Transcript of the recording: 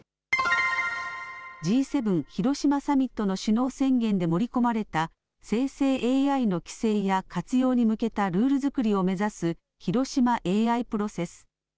Ｇ７広島サミットの首脳宣言で盛り込まれた生成ＡＩの規制や活用に向けたルール作りを目指す広島ＡＩプロセス。